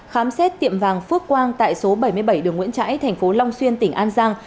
khám xét tiệm vàng phước quang tại số bảy mươi bảy đường nguyễn trãi thành phố long xuyên tỉnh an giang